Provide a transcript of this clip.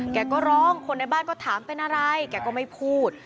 แกก็ร้องคนในบ้านก็ถามเป็นอะไรแกก็ไม่พูด